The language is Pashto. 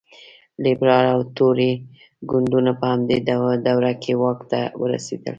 لېبرال او توري ګوندونو په همدې دوره کې واک ته ورسېدل.